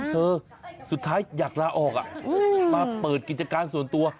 สุดท้ายอยากลาออกมาเปิดกิจการส่วนตัว